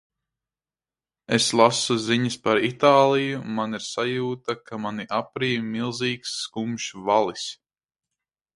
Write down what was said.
Es lasu ziņas par Itāliju. man ir sajūta, ka mani aprij milzīgs, skumjš valis.